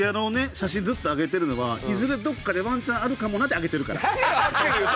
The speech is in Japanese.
写真ずっと上げてるのはいずれどこかでワンチャンあるかもなで上げてるから。